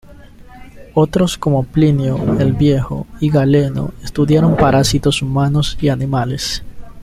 Otros como Plinio el Viejo y Galeno estudiaron parásitos humanos y animales.